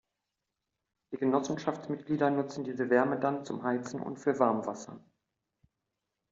Die Genossenschaftsmitglieder nutzen diese Wärme dann zum Heizen und für Warmwasser.